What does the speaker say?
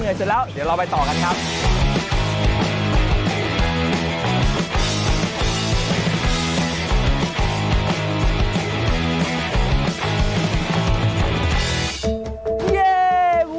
เพื่ออ้อมต้นไม้อันนี้ทางจะยากขึ้นนะครับเดี๋ยวพักเหนื่อยเสร็จแล้วเดี๋ยวเราไปต่อกันครับ